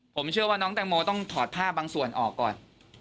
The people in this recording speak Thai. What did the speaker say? ผมเชื่อว่าน้องแตงโมต้องถอดผ้าบางส่วนออกก่อน